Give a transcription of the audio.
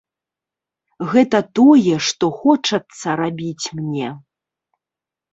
Гэта тое, што хочацца рабіць мне.